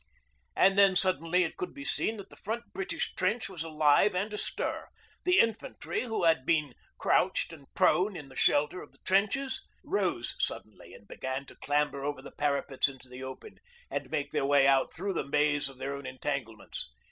And then suddenly it could be seen that the front British trench was alive and astir. The infantry, who had been crouched and prone in the shelter of their trenches, rose suddenly and began to clamber over the parapets into the open and make their way out through the maze of their own entanglements.